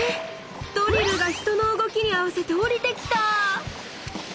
⁉ドリルが人の動きに合わせておりてきた！